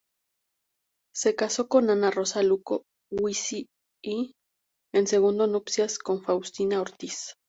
Se casó con Ana Rosa Luco Huici y, en segundas nupcias, con Faustina Ortiz.